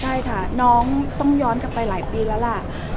ใช่ค่ะน้องต้องย้อนกลับไปหลายปีแล้วล่ะ